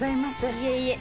いえいえ。